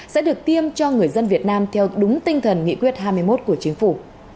sẽ được tiêm cho người dân việt nam theo đúng tinh thần nghị quyết hai mươi một của chính phủ